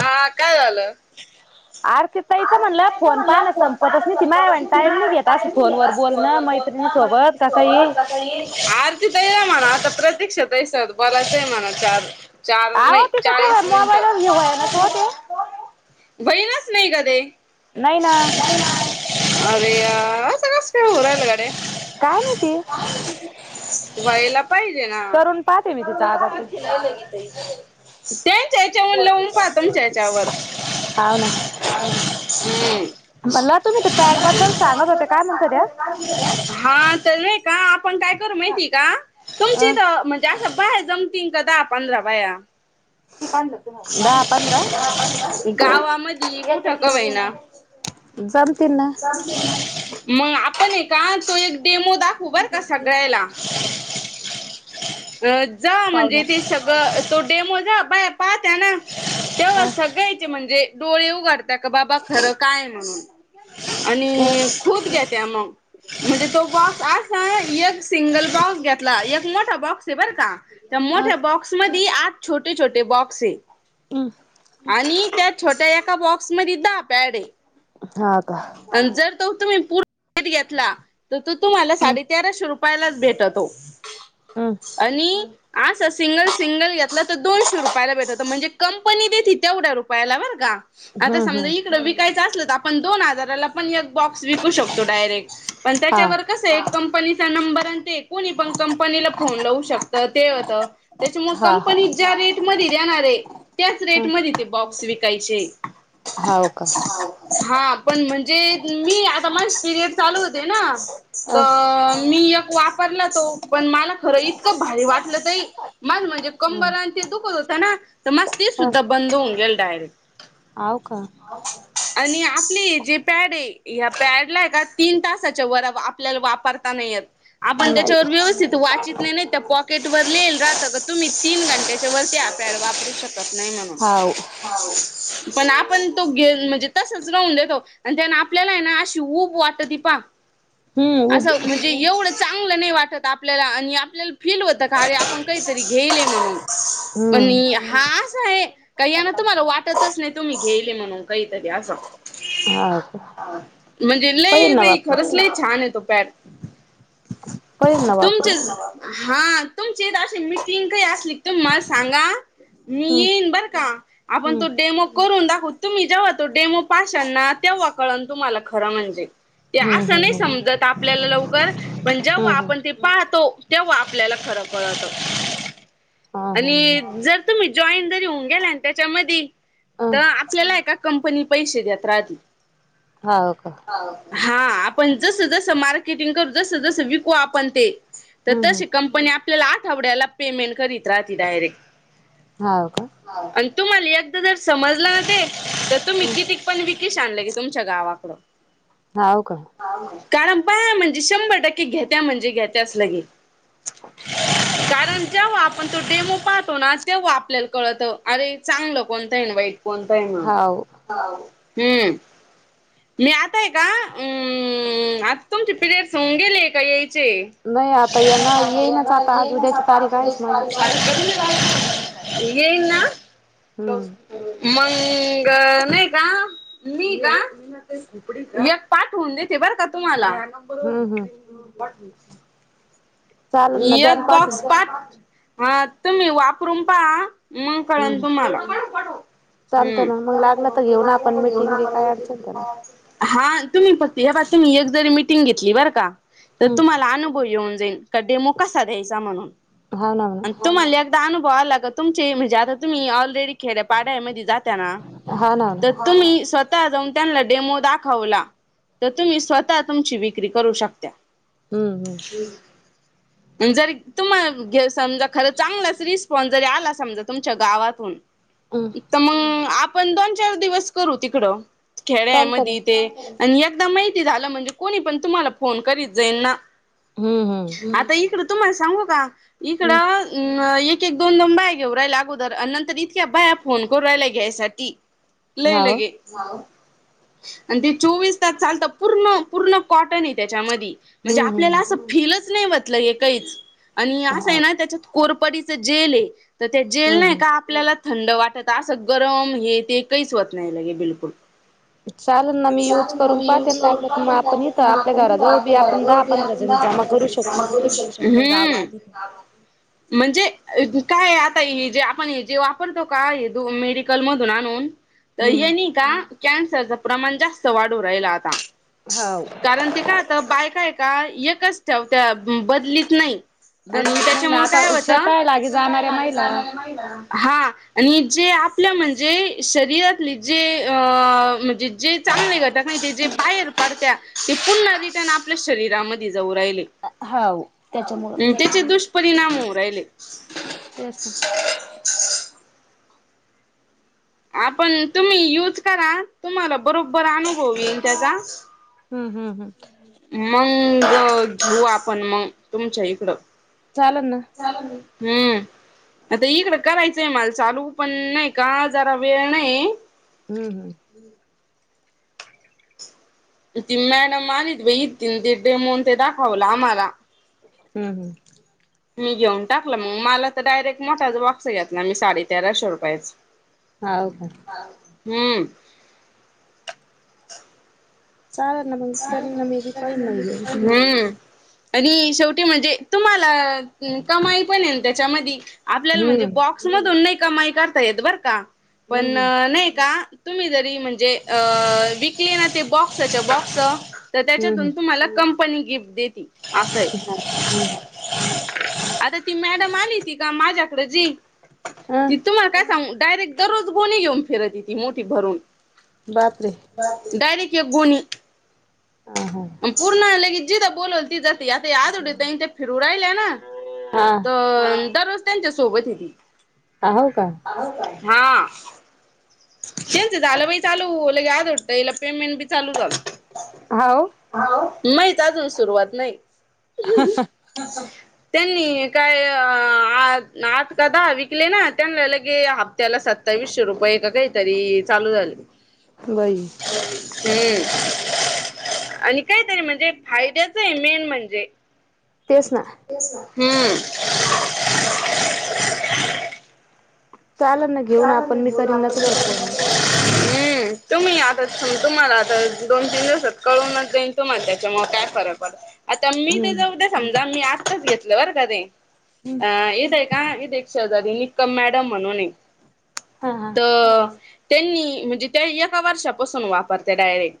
हा काय झालं? आरती ताईच आज म्हणलं उठायचं फोन म्हणलं, पाहणं फोन संपतच पहायचं, नाही ती माय टाइम नाही घेत अशी [unintelligible] फोनवर बस बोलणं फोनवर फोन. मैत्रिणी सोबत का काही कसं ईल तिथं ते म्हणा आता प्रतीक्षाताई सोबत बोलायचं आहे, म्हणा चार- चार नाही चाळीस मिनिट. जेऊ आहे ना सवते. बहीणच नाही कधे. नाही ना. अरे यार असं कसं? काय होऊ राहिलं गड्या? काय माहिती? व्हायला पाहिजे ना. करून पाहते मी तिचा आज आता तेनच्या ह्याच्यावर लहून पाहा तेच्या हेच्यावर. हाव ना मला तुम्ही ते पॅडबद्दल सांगत होत्या काय म्हणत होत्या हा तर हे का आपण काय करू माहिती का तुमच्या अ इथ म्हणजे असं बाहेर जम येतीन का दहा-पंधरा बाया पाहिल गावामध्ये कुठं का होईना चालतील ना मग आपण आहे का तो एक डेमो दाखवू बर का सगळ्याला अ जा पावण्या म्हणजे ते सगळ तो डेमो जा बाय पाहत्या ना तेव्हा अ सगायचे म्हणजे डोळे उघडतात का बाबा खरं काय आहे म्हणून आणि अ खूप घेते मग म्हणजे तो बॉक्स अस एक सिंगल बॉक्स घेतला एक मोठा बॉक्स आहे बर का अ मोठे बॉक्स मध्ये आत छोटे छोटे बॉक्स आहे हम्म आणि त्या छोट्या एका बॉक्स मध्ये दहा पॅड आहे हा का आणि जर तो तुम्ही पूर्णत घेतला तर तो तुम्हाला हम् साडे तेराशे रुपये यलाच भेटतो हं आणि अस सिंगल सिंगल घेतला तर दोनशे रुपयाला भेटतो म्हणजे कंपनी देती तेवढ्या रुपयाला बर का आता हम्म समजा हम्म इकड विकायचं असल तर आपण दोन हजार हजारला पण एक बॉक्स विकू शकतो आपण डायरेक्ट पण हा त्याच्यावर कसं आहे कंपनीचा नंबर आणि ते कोणी पण कंपनीला फोन लावू शकत ते होतं त्याच्यामुळे हा हा कंपनी ज्या रेट मध्ये देणार आहे त्याच ह रेट मध्ये ते बॉक्स विकायचे हाव का हा पण म्हणजे मी आता मा पिरियड चालू होते ना अ तर मी एक वापरला तो पण मला खरं इतकं भारी वाटलं तही माझं म्हणजे कंबर न ते दुखत होत ना तर माझं ते सुद्धा बंद होऊन गेल डायरेक्ट हाव का आणि आपली जे पॅड आहे या पॅड ला आहे का तीन तासाच्या वर आपल्याला वापरता नाही येत आपण नाही त्याच्यावर व्यवस्थित वाचित नाही नाही त्या पॉकेट वर लिहिलेलं राहत का तीन घंट्याच्या वरती आपल्याला वा करू शकत नाही म्हणून हाव पण आपण तो घे म्हणजे तसच राहून देतो आणि त्यांना आपल्याला आहे ना अशी ऊब वाटती पा हम्म उब असं म्हणजे एवढं चांगलं नाही वाटत आपल्याला आणि आपल्याला काहीतरी फील होत का अरे आपण काहीतरी घेईल म्हणून पण हम्म हा अस आहे का यान तुम्हाला वाटत नाही तुम्ही घेयेले म्हणून काहीतरी असं हा का म्हणजे पडेल लई ना बाई वापरून खरंच लय छान आहे तो पॅड पडेल ना तुमचे वापरून हा तुमची अ मिटिंग काही असली तुम्ही मला सांगा मी हम्म येईन बर का आपण हम्म तो डेमो करून दाखव तुम्ही जेव्हा तो डेमो पाशांन ना, तेव्हा कळण तुम्हाला खरं म्हणजे. ते हम्म अस नाही हम्म समजत आपल्याला लवकर पण हम्म जेव्हा हम्म आपण ते पाहतो तेव्हा आपल्याला खरं कळत हम्म हा हा आणि हा जर तुम्ही जॉईन जरी होऊन गेला ना त्याच्याधी अ तर आपल्याला हाय का कंपनी पैसे देत राहती हाव का हा आपण जस जस मार्केटिंग करू, जसं जसं विकू आपण ते तर हम्म हम्म तशी कंपनी आपल्याला आठवड्याला पेमेंट करीत राहती डायरेक्ट हाव का आणि तुम्हाला एकदा जर समजला ना ते तर तुम्ही हम्म कीतिक पण विकी शान लगे तुमच्या गावाकड. हाव का कारण पाया म्हणजे शंभर टक्के घेत्या म्हणजे घेत्याच लगे. [inaudible] कारण जेव्हा आपण तो डेमो पाहतो ना तेव्हा आपल्याला कळतं अरे चांगलं कोणतं आणि वाईट कोणताये ना हाव हाव हू मी आता ये का आता तुमचे पिरियडस येऊन गेले का यायचे नाही [unintelligible] आता येणार येईनच आता आज उद्याची तारीख आहेच माझी हम्म [unintelligible] मंग नाही का मी का मी एक पाठवून देते बरं का तुम्हाला हम्म हम्म चालेल ना एक द्यान पाठवून बॉक्स पाठ हा तुम्ही वापरून पहा. मग कळण हम्म तुम्हाला. हू चालतं ना मग चालत लागलं म तर परत घेऊ ना लागलं आपण तर घेऊ ना मीटिंग बी काय अडचण त्याला आपण [unintelligible] हा तुम्ही फक्त ह्या पासून एक जरी मिटिंग घेतली बरं का. तर हम्म तुम्हाला अनुभव येऊन जाईल का डेमो कसा द्यायचा म्हणून हाव ना म्हणा आणि तुम्हाला एक अनुभव आला का तुमच्याही म्हणजे आता तुम्ही ऑलरेडी खेळ पाड्यामध्ये जात्या ना हा ना ना तर तुम्ही स्वतः जाऊन त्यांला डेमो दाखवला तर तुम्ही स्वतः तुमची विक्री करू शकत्या. हू हू हू जरी तुम्हाला समजा खरं चांगलाच रिस्पॉन्स जरी आला समजा तुमच्या गावातून हू तर मग आपण दोन चार दिवस करू तिकडं खेड्या चालत ना मधी ते आणि एकदा माहिती झालं म्हणजे कोणी पण तुम्हाला फोन करीत जाईल ना. हम्म हम्म आता इकडं तुम्हाला सांगू का हम्म इकडं. अ एक एक दोन दोन बाया घेऊ राहिल्या अगोदर आणि नंतर इतक्या बाया फोन करू रायल्या घ्यायसाठी. [inaudible] लई लगे आणि ते चोवीस तास चालत पूर्ण पूर्ण कॉटनये त्याच्यामधी म्हणजे हम्म आपल्याला हम्म असं फीलच नाही होत काहीच आणि असं हा आहे ना त्याच्यात कोरपडीच जेलये तर ते जेल हम्म नाही का हम्म आपल्याला थंड वाटत असं गरम हे ते काहीच होत नाही लगे बिलकुल. चाल मी यूज करून पाहते ना लागल तर आपण इथ आपल्या घराजवळ बी आपल्याला आपण दहा घरटी पंधरा आपण जणी करू जमा करू घेऊ शकतो शकतोय हम्म गावात म्हणजे काय आता हे जे आपण हे जे वापरतो का हे द मेडिकल मधून आणून तर याने हम्म का कॅन्सरच प्रमाण जास्त वाढू राहिला आता हाव कारण ते का तर बायक आहे का एकच त्या बदलीत नाही आणि बदलत नाही ना त्याच्यामुळं आता काय होत शेता लागे जाणाऱ्या महिला हा आणि जे आपल्या म्हणजे शरीरातले जे अ म्हणजे जे चांगले घटक करतात ते जे बाहेर पडत्या ते पुन्हा रिटर्न आपल्या शरीरामध्ये जाऊ राहिले. हाव त्याचे दुष्परिणाम होऊन राहिले. तेच ना आपण तुम्ही युज करा तुम्हाला बरोबर अनुभव येईल त्याचा. हम्म हम्म हम्म. मग घेऊ आपण मग तुमच्या इकडं. चाललं ना. हम्म आता इकडं करायचंय मला चालू पण नाही का जरा वेळ नाही. हम्म हम्म ती मॅडम आणि एक बाई तीन डेमो ते दाखवला आम्हाला. हम्म हम्म. मी घेऊन टाकलं मग तर डायरेक्ट मोठाचा बॉक्स घेतला मी साडे तेराशे रुपयाचा. हो का. हम्म. चालल ना मग करीन ना मी बी पाहीन ना हे घेऊन हम्म. आणि शेवटी म्हणजे तुम्हाला कमाई पण आहे त्याच्यामध्ये. आपल्याला म्हणजे हम्म बॉक्समधून नाही कमाई करता येत बरं का पण हम्म हम्म नाही का तुम्ही जरी म्हणजे अ विकली ना ते बॉक्साच्या बॉक्स तर हम्म त्याच्यातून हम्म तुम्हाला कंपनी गिफ्ट देेती असंय. हा हम्म आता ती मॅडम आली ती का माझ्याकडे जी अ ती तुम्हाला काय सांगू डायरेक्ट दररोज गोणी घेऊन फिरतयती मोठी भरून. बापरे. डायरेक्ट एक गोणी हम्म हम्म. पूर्ण लगे जिथ बोलल तिथं जाती आता हाडुदे ताईन ते फिरू राहिल्या ना. हा हा अ दररोज त्यांच्या सोबत हे ती. आ हो का? हा त्याचं झालं बाई चालू लगेच हाडुदे ताईंना पेमेंट बी चालू झालं. हाव माझी तर अजून सुरुवात नाही. त्यांनी काय अ आठ का दहा विकले ना त्यांना लगे हाफ त्याला सत्तावीसशे रुपये का काहीतरी चालू झाले. बाई आणि काही तरी म्हणजे फायद्याच आहे मेन म्हणजे. तेच ना हम्म चाललं ना घेऊन आपण मी करीन ना तुम्हाला फोन. हम्म तुम्ही आता तुम्हाला आता दोन तीन दिवसात कळूनच जाईल तुम्हाला त्याच्यामूळ काय फरक पडत आता मी हम्म तेजा उद्या समजा मी आताच घेतलं बर का ते अ इथं का इथं एक शेजारी निकम मॅडम म्हणून आहे. हा हा त त्यांनी म्हणजे त्या एका वर्षापासून वापरता डायरेक्ट.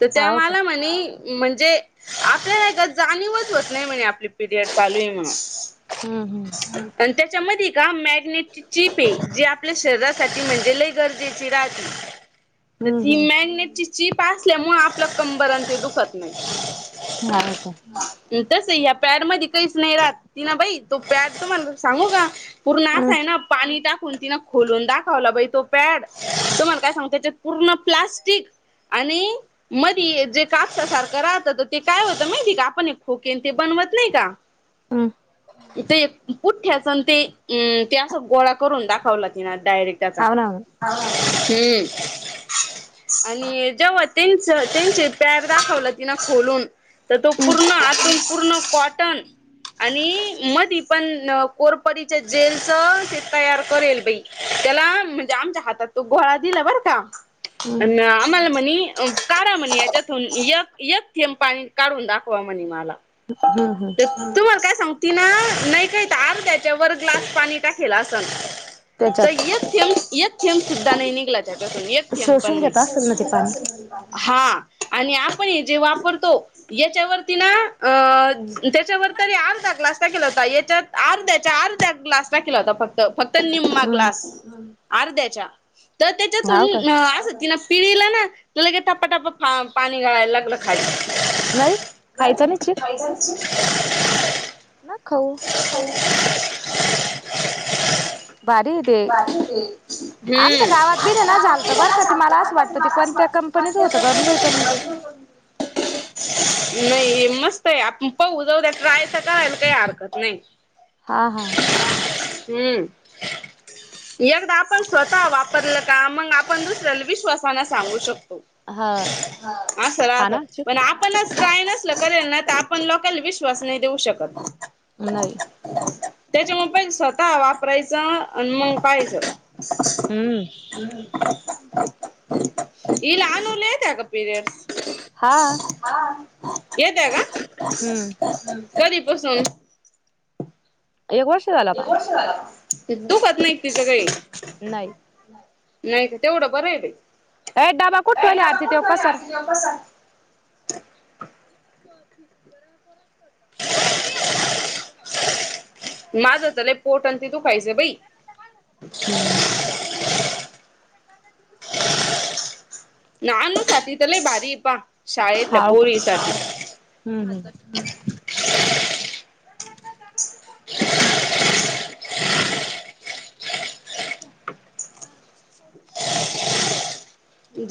त त्या हाव का मला म्हणे म्हणजे आपल्यालाये का जाणीवच होत नाही म्हणे आपली पिरियड चालूये म्हणून. हम्म हम्म. अन् त्याच्यामध्ये का मॅग्नेटची चिपये जे आपल्या श शरीरासाठी म्हणजे लई गरजेची राहती त हम्म हम्म ती हम्म मॅग्नेट ची चीप असल्यामुळे आपल कंबर आणि ते दुखत नाही. हा का? अन् तसही ह्या पॅड मध्ये काहीच नाही राहत तेना बाई तो पॅड तुम्हाला सांगू का पूर्ण हम्म असाय ना पाणी टाक कुन तिनं खोलून दाखवला तो पॅड तुम्हाला काय सांग त्याच्यात पूर्ण प्लास्टिक. आणि मधी जे कापसा सारखं राहतं ते काय होतं माहिती का आपण एक खोकेन ते बनवत नाही का? हम्म ते पुठठ्याच आणि ते अ ते असा गोळा करून दाखवला तिन डायरेक्ट त्याचा. हाव ना हाव ना हम्म आणि जेव्हा त्यांच त्यांचे पॅड दाखवला तिने खोलून तर तो पूर्ण आतून पूर्ण कॉटन. आणि मधी पण कोरपरीच्या जेलचं ते तयार करेल बाई त्याला म्हणजे आमच्या हातात तो गोळा दिला बर का. हम्म अन् आम्हाला म्हणी अ काढा म्हणे याच्यातून य एक थेंब पाणी काढून दाखवा म्हणे मला. हम्म. हम्म ते तुम्हाला काय सांगु तिन्ह नाही काहीत आर त्याच्यावर ग्लास पाणी टाकेल असल. त त्याच्यात एक थेंब एक थेंब सुद्धा नाही निघला. त्याच्यातून एक थेंब पण शोषून घेत असेल ना ते पाणी नाही. हा आणि आपण हे जे वापरतो याच्यावरती ना अ त्याच्यावर तरी अर्धा ग्लास टाकीला होता याच्यात अर्ध्याच्या अर्ध्या ग्लास टाकीला होता फक त फक्त निम्मा ग्लास हम्म अर्ध्याच्या. तर हाव का त्याच्यातून असं तिन पिळीला ना लगे टपा टपा पाणी गाळायला लागलं. खाली. नाही खायचा छी. [inaudible] ना खाऊ. [inaudible] भारी ते आमच्या गावात बी ना झालतं बरं का ते हम्म. मला असं वाटतं ते कोणत्या कंपनीच होतं का बाई पण मग ते [inaudible] नाही मस्त आहे आपण पाहू जाऊ त्या ट्राय तर करायला काही हरकत नाही हा हा हम्म. एकदा आपण स्वतः वापरलं का मग आपण दुसऱ्या विश्वासान सांगू शकतो. हा असं राहत खाना पण चूक आपणच ट्राय नस करेल ना तर आपण लोकांले विश्वास नाही देऊ शकत. नाही त्याच्यामूळ पहिलं स्वतः वापरायचं आणि मंग पहायचं. हम्म हम्. हिला [unintelligible] नाही का पिरियडस? हा. येतय का हम्म कधीपसून? एक वर्ष. झाला आता एक वर्ष झालं. दुखत नाही तिच काही? नाही. नाही का तेवढं बरंय बाई. अय डबा कुठं ठेवलय आरती त्यो पसारा. [unintelligible] [inaudible] माझ तर लई पोट अन ते दुखायचं बाई. [unintelligible] अनु साठी तरं लय भारी पहा शाळेतल्या पोरी साठी. हम्. [inaudible] [inaudible] झा